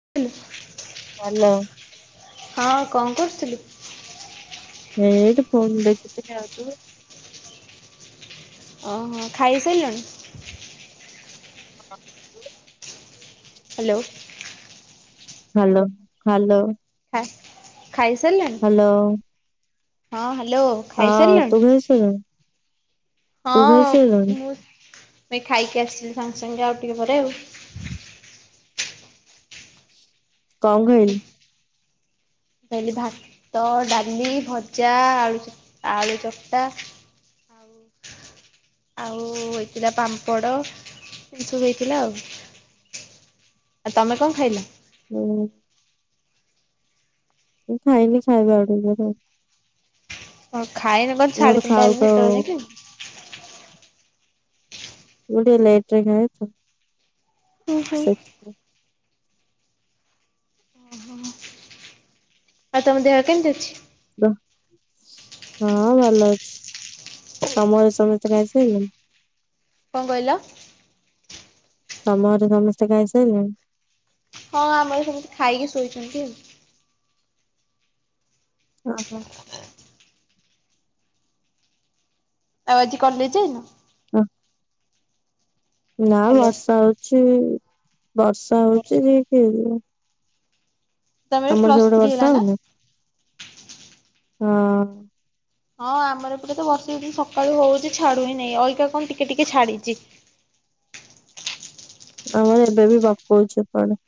[inaudible] Hello. ହଁ କଣ କରୁଥିଲି। ଏଇଠି ଫୋନଦେଖୁଥିଲି ଆଉ ତୁ। ଓହୋ ଖାଇସାଇଲଣି। ହଁ ତୁ। ହ୍ୟାଲୋ। Hello hello. ଖାଇ ଖାଇସାରିଲେଣି ହଁ ହେଲୋ। ଖାଇସାରିଲଣି ହଁ ମୁଁ। ମୁଁ ଏଇ ଖାଇକି ଆସିଲି ସାଙ୍ଗେ ସାଙ୍ଗେ ଆଉ ଟିକେ ପରେ ଆଉ। କଣ ଖାଇଲୁ? ମୁଁ ଖାଇଲି ଭାତ, ଡାଲି, ଭଜା, ଆଳୁ ଆଳୁ ଚକଟା। ଆଉ ହେଇଥିଲା ପାମ୍ପଡ। ଏଇ ସବୁ ହେଇଥିଲା ଆଉ। ଆଉ ତମେ କଣ ଖାଇଲ? ହୁଁ। ମୁଁ ଖାଇନି ଖାଇବି ଆଉ ଟିକେପରେ। ହଁ ଖାଇନ ମୋର ସାଢେ ତିିନିଟା ଖାଉ ହେଲାଣି ଖାଉ ଏତେବେଳେ ଯାଙ୍କେ। ମୁଁ ଟିକିଏ ଲେଟ୍ ରେ ଖାଏ ତ ହୁଁ ହୁଁ ସେଥି ଆଉ ତମ ଦେହ କେମିତି ଅଛି? ହଁ ଭଲ ଅଛି ସମୟରେ ସମସ୍ତେ ଖାଇସାରିଲେଣି। କଣ କହିଲ? ତମ ଘରେ ସମସ୍ତେ ଖାଇସାଇଲେଣି। ହଁ ଆମର ସମସ୍ତେ ଖାଇକି ଶୋଇଛନ୍ତି ଆଉ। ଅ ହୋ। ଆଉ ଆଜି କଲେଜ୍ ଯାଇନ। [unintelligible] ନା ହ୍ୟାଲୋ। ବର୍ଷା ହୋଉଛି ବର୍ଷା ହୋଉଚି ଯିବି କେମିତି। ତମର ପ୍ଲସ୍ ସେପଟେ ଥ୍ରୀ ହେଲା ବର୍ଷା ନା? ହୋଉନି ହଁ। ହଁ ଆମର ଏପଟେ ତ ବର୍ଷା ସକାଳୁ ହୋଉଚି ଛାଡୁ ହିଁ ନାଇଁ ଅଇକା କଣ ଟିକେ ଟିକେ ଛାଡିଚି। ଆମର ଏବେ ବି ପକୋଉଚି ପୁଣି।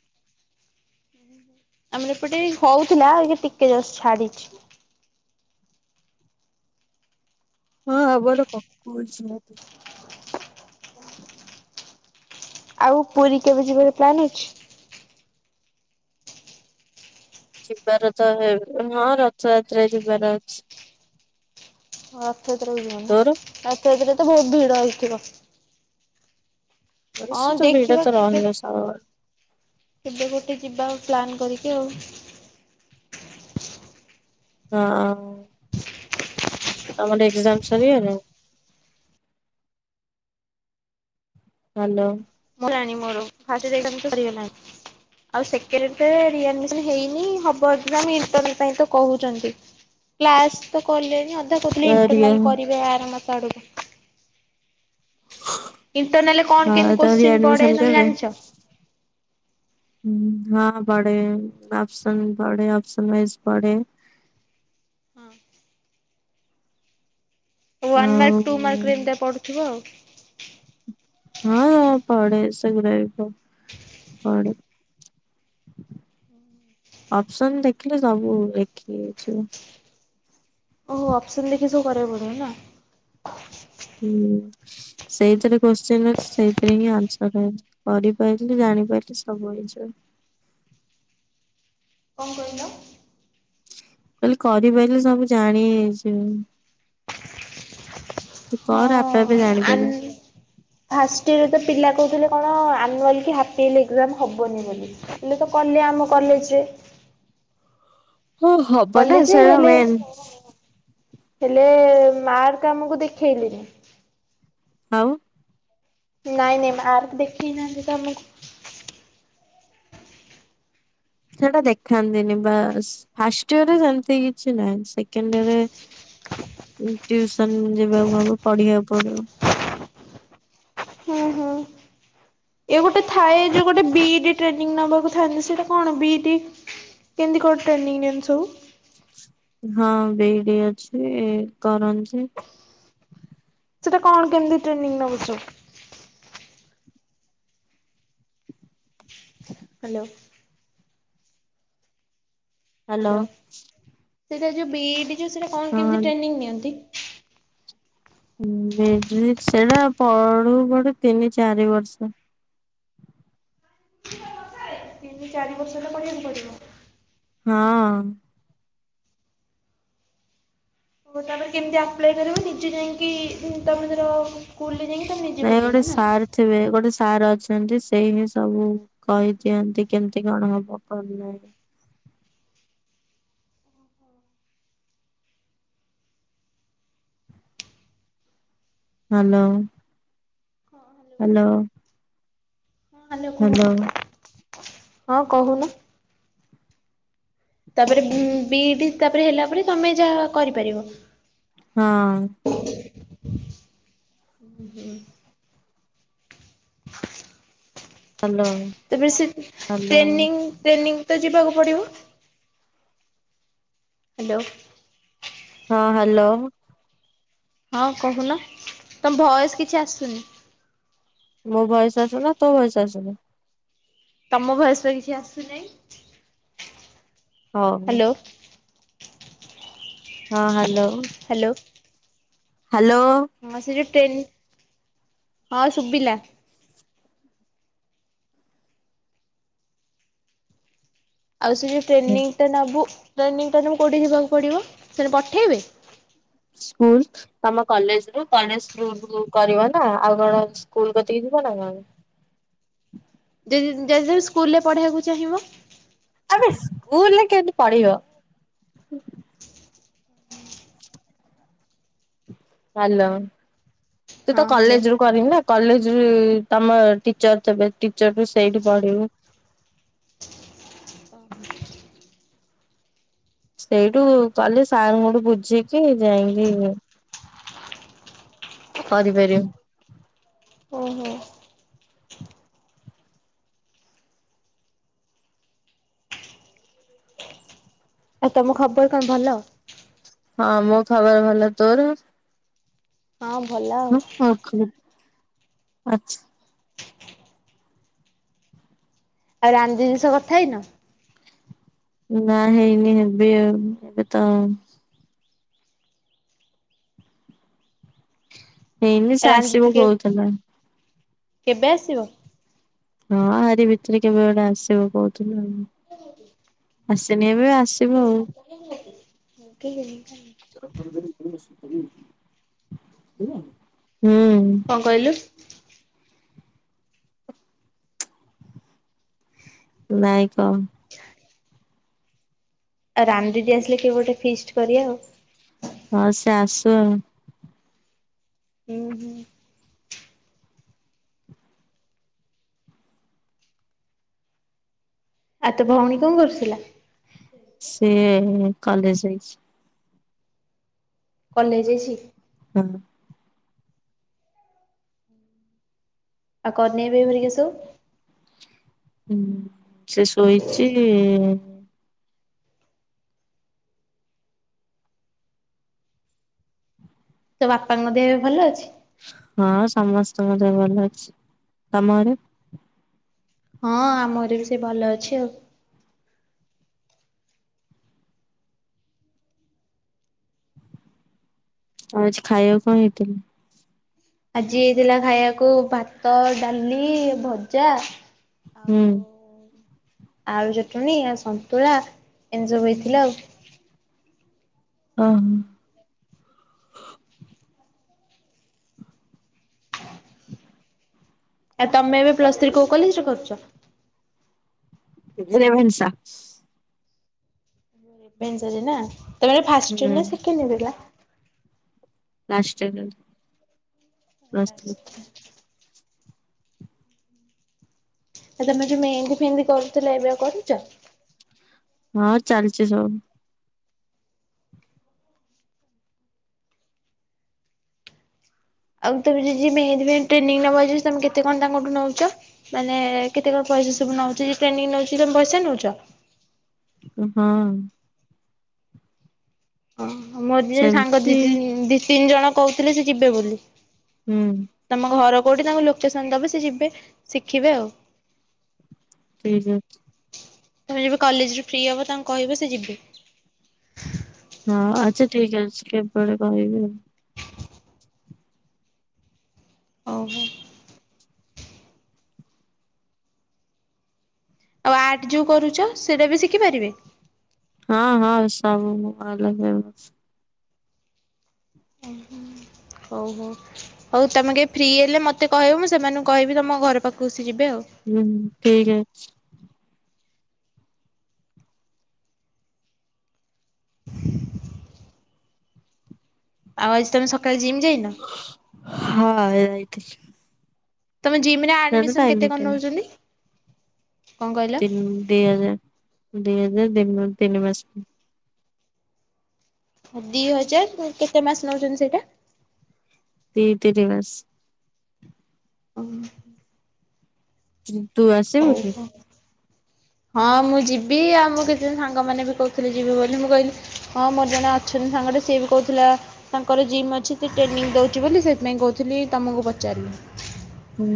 [unintelligible] ଆମର ଏପଟେ ହୋଉଥିଲାଏବେ ଟିକେ ଜଷ୍ଟ ଛାଡିଛି। ହଁ ଆମର ପକୋଉଚି ମ। ଆଉ ପୁରୀ କେବେ ଯିବାର ପ୍ଲାନ୍ ହେଇଚି? ଯିବାର ତ ହଁ ରଥଯାତ୍ରା ଯିବାର ଅଛି। ରଥଯାତ୍ରା କୁଯିବ ନା ତୋର ରଥଯାତ୍ରା ତ ବହୁତ୍ ଭିଡ ହେଇଥିବ। ହଁ ବେସି ତ ଭିଡ଼ ଦେଖିବା ତ କେବେ ରହିବ ସବୁବେଳେ। କେବେ ଗୋଟେ ଯିବାଅ ପ୍ଲାନ୍ କରିକି ଆଉ। ହଁ ତମର ଏକ୍ଜାମ ସରିଗଲା। ହାଲୋ। ସରିଲାଣି ମୋର ଫାର୍ଷ୍ଟ ଏକ୍ଜାମ ତ ସରିଗଲାଣି। ଆଉ ସେକେଣ୍ଡ ଟା ରିଆଡମିଶନ ହେଇନି ହବ ଏକ୍ଜାମ ଇଣ୍ଟର ପାଇଁ କହୁଚନ୍ତି। କ୍ଲାସ ତ କଲେନି ଅଧା କହୁଥିଲେ ସରିଗ ଇଣ୍ଟରନାଲ କରିବେ ଆରମାସ ଆଡକୁ। ଇଣ୍ଟରନାଲରେ କଣ ହଁ କେମିତି ତ କୋଶ୍ଚିନ୍ ପଡେ ରିଆଡମିସନ ତମେ କେବେ? ଜାଣିଚ? ହଁ ପଡେ ଅପସନ୍ ପଡେ ଅପସନୱାଇଜ ପଡେ। ହଁ ୱାନ୍ ଆଉ ମାର୍କ ଟୁ ମାର୍କ ରେ ଏମିତିଆ ପଡୁଥିବ ଆଉ। ହଁ ପଡ଼େ ସେଗୁଡାବି ପଡ଼େ। ଅପସନ ଦେଖିଲେ ସବୁ ଲେଖିହେଇଯିବ। ଓହୋ ଅପସନ ଦେଖି ସବୁ କରିବାକୁ ପଡିବ ନା। ହୁଁ ସେଇଥିରେ କୋଶ୍ଚିନ୍ ଅଛି ସେଇଥିରେ ହିଁ ଆନ୍ସର ଅଛି। କରିପାରିଲେ ଜାଣିପାରିଲେ ସବୁ ହେଇ ଯିବ। କଣ କହିଲ। ମାନେ କରି ପାଇଲେ ସବୁ ଜାଣି ହେଇ ଯିବ। ତୁ କର ଆପେ ଆପେ ହଁ ଆନ ଜାଣିପାରିବୁ। ଫାଷ୍ଟ ଇୟର ରେ ତ ପିଲା କହୁଥିଲେ କଣ ଆନୁଆଲି କି ହାପ୍ଇଅରଲି ଏକ୍ଜାମ ହବନି ବୋଲି। ହେଲେ ତ କଲେ ଆମ କଲେଜରେ। ହୁଁ। କଲେ ଯେ ହେଲେ ହେଲେ ମାର୍କ ଆମକୁ ଦେଖେଇଲେନି। ଆଉ। ନାଇଁ ନାଇଁ ମାର୍କ ଦେଖିେଇ ନାହାନ୍ତି ତ ଆମକୁ। ସେଟା ଦେଖାନ୍ତି ନି ବାସ୍। ଫାଷ୍ଟଇୟରେ ସେମତି କିଛି ନାହିଁ ସେକେଣ୍ଡ ଇୟରେ। ଉଁ ଟ୍ୟୁସନ ଯିବାକୁ ହବ ପଢିବାକୁ ପଡିବ। ହୁଁ ହୁଁ। ଇଏ ଗୋଟେ ଥାଏ ଯୋଉ ଗୋଟେ ବି ଇ ଡି ଟ୍ରେନିଂ ନବାକୁ ଥାଆନ୍ତି ସେଇଟା କଣ ବି ଇ ଡି। କେମତି କଣ ଟ୍ରେନିଂ ନିଅନ୍ତି ସବୁ। ହଁ ବି ଇ ଡି ଅଛି କରନ୍ତି। ସେଇଟା କଣ କେମିତି ଟ୍ରେନିଂ ନଉଛ ହାଲୋ। ହ୍ୟାଲୋ ସେଇଟା ଯୋଉ ବିଇଡି ଯୋଉ ସେଇଟା କଣ କେମିତି ହଁ ଟ୍ରେନି ନିଅନ୍ତି। ବିଇଡି ରେ ସେଇଟା ପଢୁ ପଢୁ ତିନି ଚାରି ବର୍ଷ। ତିନି ଚାରି ବର୍ଷ ସେଇଟାକୁ ପଢ଼ିବାକୁ ପଡ଼ିବ। ହଁ। ଓହୋ ତାପରେ କେମିତି ଆପ୍ଲାଏ କରିବୁ ନିଜେ ଯାଇକି ତମେ ଧର। ସ୍କୁଲରେ ଯାଇଁକି ତମେ ନିଯ ନାଇଁ ଗୋଟେ ସାର ଥିବେ ଗୋଟେ ସାର ଅଛନ୍ତି ସେଇ ହିଁ ସବୁ। କହି ଦିଅନ୍ତି କେମିତି କଣ ହବ କଣ ନାହିଁ। ହାଲୋ। ହାଲୋ। ମାଲୋ କୁହ। ତାପରେ ବି ଇ ଡି ତାପରେ ହେଲା ପରେ ତମେ ଯାହା କରିପାରିବ। ହଁ। ଉଁ ହୁଁ। ହ୍ୟାଲୋ ତେବେ ସେ ହ୍ୟାଲୋ ଟ୍ରେନି ଟ୍ରେନିଂ ତ ଯିବାକୁ ପଡିବ। ହାଲୋ। ହଁ ହାଲୋ। ହଁ କହୁନ ତମ ଭଏସ କିଛି ଆସୁନି। ମୋ ଭଏସ ଆସୁନି ନା ତୋ ଭଏସ ଆସୁନି। ତମ ଭଏସ ବା କିଛି ଆସୁନେହିଁ। ହଉ ହଁ ହ୍ୟାଲୋ। ହ୍ୟାଲୋ। ହାଲୋ। ହଁ ସେ ଯୋଉ ଟେନ ହଁ ଶୁଭିଲା। ଆଉ ସେ ଯୋଉ ଟ୍ରେନିଂଟା ନବୁ ଟ୍ରେନିଂଟା ତମକୁ କେଉଁଠି ଯିବାକୁ ପଡ଼ିବ ସେଇଟା ପଠେଇବେ। ସ୍କୁଲ। ତମ କଲେଜ ରୁ କଲେଜ ସ୍କୁଲ କୁ କରିବ ନା ଆଉ କଣ ସ୍କୁଲ କତିକି ଯିବ ନା କଣ। ଯଦି ଯଦି ତମେ ସ୍କୁଲ ରେ ପଢେଇବାକୁ ଚାହିଁବ? ଆବେ ସ୍କୁଲରେ କେମିତି ପଢିବ? ହ୍ୟାଲୋ। ତୁ ତ ହଁ ହ୍ୟାଲୋ। କଲେଜ ରୁ କରିବୁ ନା? କଲେଜ ର ତମ ଟିଚର ଥିବେ ଟିଚର ରୁ ସେଇଠି ପଢିବୁ। ହ [unintelligible] ସେଇଠୁ କାଲି ସାରଙ୍କଠୁ ବୁଝିକି ଯାଇକି କରିପାରିବୁ। ଓହୋ। ଆଉ ତମ ଖବର କଣ ଭଲ? ହଁ ମୋ ଖବର ଭଲ। ତୋର? ହଁ ଭଲ ଆଉ। [unintelligible] ଆଚ୍ଛା। ଆଉ ରାନି ଦିଦି ଶହ କଥା ହେଇନ? ନା ହେଇନି ହେବି ଆଉ। ଏବେ ତ ହେଇନି ସେ ରାନୀ ଦିଦି ଆସିବ କେ କହୁଥିଲା। କେବେ ଆସିବ? ହଁ ଆରୀ ଭିତରେ କେବେ ଗୋଟେ ଆସିବ କହୁଥିଲା। ଆସିନି ଏବେ ଆସି [unintelligible] [unintelligible] ହୁଁ। କଣ କହିଲୁ? ନାଇଁ କଅ? [inaudible] ଆଉ ରାନି ଦିଦି ଆସିଲେ କେବେ ଗୋଟେ ଫିଷ୍ଟ କରିବା ଆଉ। ହଁ ସେ ଆସୁ ଆଉ। ହୁଁ ହୁଁ। ଆଉ ତୋ ଭଉଣୀ କଣ କରୁଥିଲା? ସିଏ କଲେଜ ଯାଇଛି। କଲେଜ ଯାଇଚି? ହଁ। ଆଉ କନେ [unintelligible] ଭେରିିକେସୁ। ହୁଁ ସେ ଶୋଇଛି। ତୋ ବାପାଙ୍କ ଦେହ ଏବେ ଭଲ ଅଛି? ହଁ ସମସ୍ତେ ଦେହ ଭଲ ଅଛି। ତମ ଘରେ? ହଁ ଆମ ଘରେ ବି ସେ ଭଲ ଅଛି ଆଉ। ଆଉ ଆଜି ଖାଇବାକୁ କଣ ହେଇଥିଲା? ଆଜି ହେଇଥିଲା ଖାଇବାକୁ ଭାତ, ଡାଲି, ଭଜା ହୁଁ ଆଉ ଆଳୁ ଚଟଣି ଆଉ ସନ୍ତୁଳା ଏମତି ସବୁ ହେଇଥିଲା ଆଉ। ଓହୋ। ଆଉ ତମେ ଏବେ ପ୍ଲସ୍ ଥ୍ରୀ କୋଉ କଲେଜ ରେ କରୁଛ? ରେଭେନ୍ସା। ରେଭେନ୍ସାରେ ନା, ତମର ଏବେ ଫାଷ୍ଟ ହୁଁ ଇଅର ନା ସେକେଣ୍ଡ ଇଅର ହେଲା? Last year [unintelligible] plus three last [unintelligible] ଆ ତମେ ଯୋଉ ମେହେନ୍ଦୀ ଫେଏନ୍ଦି କରୁଥିଲ ଏବେ ଆଉ କରୁଚ? ହଁ ଚାଲିଚି ସବୁ। ଆଉ ତମେ ଯେ ଯେ ମେହେନ୍ଦି ଫେହେନ୍ଦୀ ଟ୍ରେନିଂ ନବ ଯିଏ ତମେ କେତେ କଣ ତାଙ୍କଠୁ ନଉଚ? ମାନେ କେତେ କଣ ପଇସା ସବୁ ନଉଚ ଯିଏ ଟ୍ରେନିଂ ନଉଚି ତମେ ପଇସା ନଉଚ? ଉ ହଁ। ଅହଁ ମୋର ଯିଏ ସାଙ୍ଗ ସେମିତି ଦି-ଦି ଦି ତିନି ଜଣ କହୁଥିଲେ ସେ ଯିବେ ବୋଲି। ହୁଁ। ତମ ଘର କୋଉଠି ତାଙ୍କୁ ଲୋକେସନ ଦବ ସେ ଯିବେ ଶିଖିବେ ଆଉ। ଠିକ୍ ଅଛି। ତମେ ଯେବେ କଲେଜରୁ ଫ୍ରି ହବ ତାଙ୍କୁ କହିବ ସେ ଯିବେ। ହଁ ଆଚ୍ଛା ଠିକ୍ ଅଛି କେବେଳେ କହିବି ଆଉ। ଓହୋ। ଆଉ ଆର୍ଟ ଯୋଉ କରୁଚ ସେରାବି ଶିଖିପାରିବେ? ହଁ ହଁ ସବୁ ମୁଁ [unintelligible] ହଉ ହଉ ହଉ ତମେ କେବେ ଫ୍ରି ହେଲେ ମତେ କହିବ ମୁଁ ସେମାନଙ୍କୁ କହିବି ତମ ଘର ପାଖକୁ ସେ ଯିବେ ଆଉ। ହୁଁ ଠିକ୍ ଅଛି। ଆଉ ଆଜି ତମେ ସକାଳେ ଜିମ୍‌ ଯାଇନ? ହାଏ ଯାଇଥିଲି। ତମ ଜିମ୍ ରେ ସେଇଟା ତ ଆଡମିଶନ୍ ଏନି କେତେ କଣ ଟାଇମ ନଉଚନ୍ତି? ତିିନି ଦି ହଜାର ଦି ହଜାର ଦିନ ତିନି ମାସକୁ। ହଉ ଦି ହଜାର କେତେ ମାସ ନଉଚନ୍ତି ସେଇଟା। ଦି ତିନି ମାସ୍। ଓ ହୋ। ତୁ ଆସ ହଉ ହ। ହଁ ମୁଁ ଯିବି ଆଉ ମୁଁ କିଛିଜଣ୍ ସାଙ୍ଗମାନେ ବି କହୁଥିଲେ ଯିବେ ବୋଲି ମୁଁ କହିଲି ହଁ ମୋର୍ ଜଣେ ଅଛନ୍ତି ସାଙ୍ଗଟେ ସିଏ ବି କହୁଥିଲା ତାଙ୍କର ଜିମ୍ ଅଛି ସେ ଟ୍ରେନିଂ ଦଉଚି ବୋଲି ସେଇଥିପାଇଁ କହୁଥିଲି ତମୁକୁ ପଚାରିବି। ହୁଁ।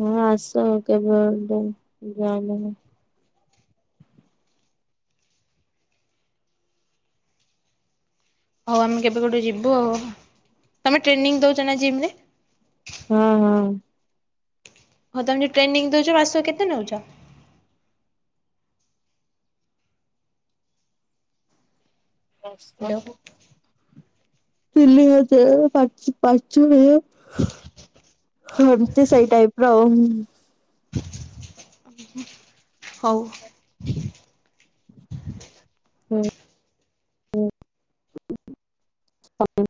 ହଁ ଆସ କେବେ ଗୋଟେ ଜଏନହବ। ହଉ ଆମେ କେବେ ଗୋଟେ ଯିବୁ ଆଉ। ତମେ ଟ୍ରେନିଂ ଦଉଚ ନା ଜିମ୍ ରେ? ହୁଁ ହୁଁ। ହଉ ତମେ ଯୋଉ ଟ୍ରେନିଂ ଦଉଚ ମାସକୁ କେତେ ନଉଚ? ହ୍ୟାଲୋ ପାଂଶହ। ତିନି ହଜାର ପାଞ୍ଚ୍-ପାଞ୍ଚ ହଜାର। ହେମତି ସେଇ ଟାଇପ୍ ର ଆଉ। ହଉ। ହୁଁ ହ-ଉ।